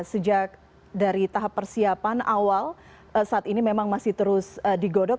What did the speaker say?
sejak dari tahap persiapan awal saat ini memang masih terus digodok